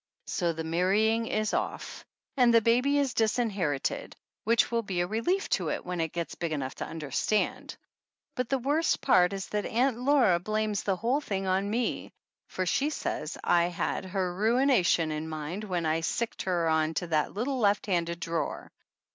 So the marrying is off and the baby is disin herited, which will be a relief to it when it gets big enough to understand. But the worst part is that Aunt Laura blames the whole thing on me, for she says I had her ruination in mind when I sicked her on to that little left handed drawer.